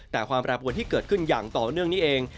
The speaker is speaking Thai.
แต่ความแปรปวนที่เกิดขึ้นอย่างต่อเนื่องนี้เอง